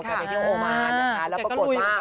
แกไปไปเตียงโอมาร